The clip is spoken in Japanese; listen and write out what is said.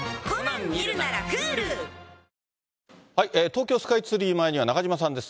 東京スカイツリー前には、中島さんです。